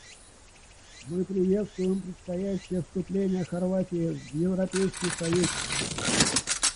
Мы приветствуем предстоящее вступление Хорватии в Европейский союз.